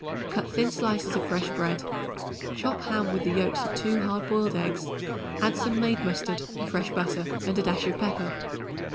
Cut thin slices of fresh bread. Chop ham with the yolks of 2 hard boiled eggs; add some made mustard and fresh butter and a dash of pepper.